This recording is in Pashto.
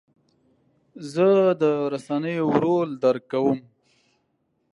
زه د رسنیو رول درک کوم.